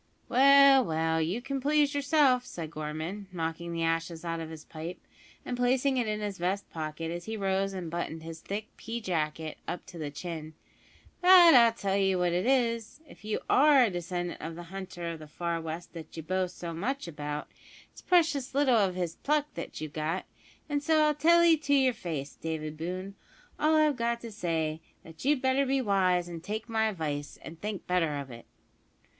"Well, well, you can please yourself," said Gorman, knocking the ashes out of his pipe, and placing it in his vest pocket as he rose and buttoned his thick pea jacket up to the chin; "but I'll tell you what it is, if you are a descendant of the hunter of the far west that you boast so much about, it's precious little of his pluck that you've got; an' so I tell 'ee to your face, David Boone. All I've got to say is, that you'd better be wise and take my advice, and think better of it."